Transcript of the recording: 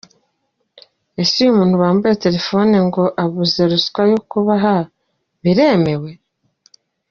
Ese uyu muntu bambuye telefone ngo abuze ruswa yo kubaha, biremewe?”.